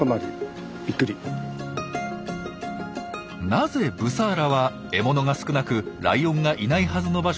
なぜブサーラは獲物が少なくライオンがいないはずの場所で暮らしているのか。